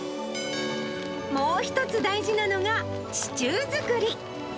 もう一つ大事なのが、シチュー作り。